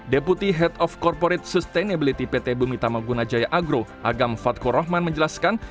deputi head of corporate sustainability pt bumi tama gunajaya agro agam fatko rohman menjelaskan